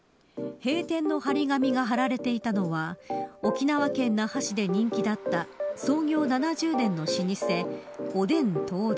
閉店の張り紙が貼られていたのは沖縄県那覇市で人気だった創業７０年の老舗おでん東大。